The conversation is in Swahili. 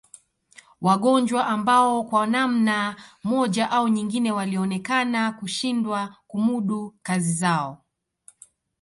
Wagonjwa ambao kwa namna moja au nyingine walionekana kushindwa kumudu kazi zao